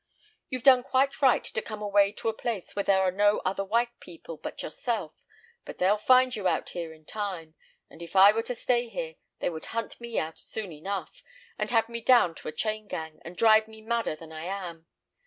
You've done quite right to come away to a place where there are no other white people but yourself; but they'll find you out here in time; and if I were to stay here, they would hunt me out soon enough, and have me down to a chain gang, and drive me madder than I am.